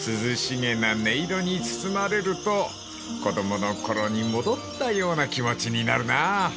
［涼しげな音色に包まれると子供の頃に戻ったような気持ちになるなあ］